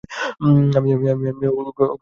আমি ওকে আটকে রাখবো।